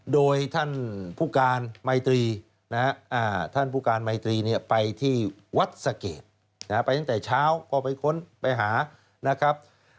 โดยท่านผู้การไมตรีท่านผู้การไมตรีเนี่ยไปที่วัดสะเกดไปตั้งแต่เช้าก็ไปค้นไปหานะครับ